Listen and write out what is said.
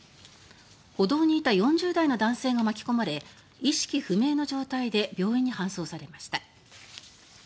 歩道にいた４０代の男性が巻き込まれ意識不明の状態で病院に搬送されました。